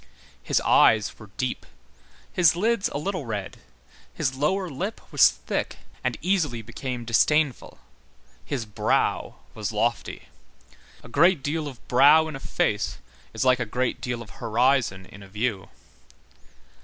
His eyes were deep, his lids a little red, his lower lip was thick and easily became disdainful, his brow was lofty. A great deal of brow in a face is like a great deal of horizon in a view.